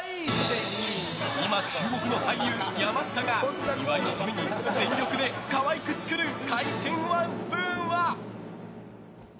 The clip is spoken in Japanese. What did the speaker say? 今注目の俳優・山下が岩井のために全力で可愛く作る海鮮ワンスプーンは。